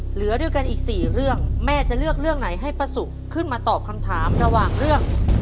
เหลือด้วยกันอีกสี่เรื่องแม่จะเลือกเรื่องไหนให้ป้าสุขึ้นมาตอบคำถามระหว่างเรื่อง